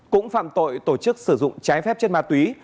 cũng phạm tội tổ chức sử dụng trái phép chất ma túy